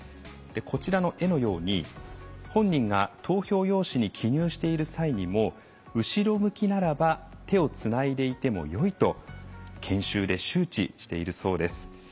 こちらの絵のように本人が投票用紙に記入している際にも「後ろ向きならば手をつないでいてもよい」と研修で周知しているそうです。